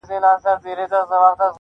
ذکر عبادت او استغفار کوه په نیمه شپه,